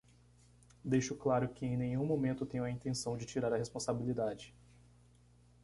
Deixo claro que em nenhum momento tenho a intenção de tirar a responsabilidade